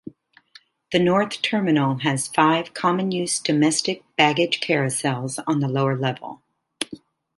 The North Terminal has five common-use domestic baggage carousels on the lower level.